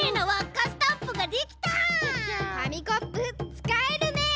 かみコップつかえるねえ。